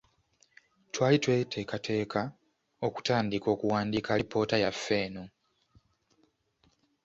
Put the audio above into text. Twali tweteekateeka okutandika okuwandiika alipoota yaffe eno.